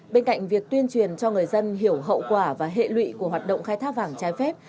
bên cạnh việc tuyên truyền cho người dân hiểu hậu quả và hệ lụy của hoạt động khai thác vàng trái phép